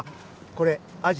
これアジ。